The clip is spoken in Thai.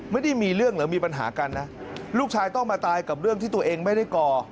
ไม่ได้มีเรื่องหรือมีปัญหากันนะลูกชายต้องมาตายกับเรื่องที่ตัวเองไม่ได้ก่อ